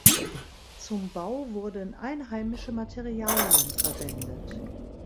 Zum Bau wurden einheimische Materialien verwendet.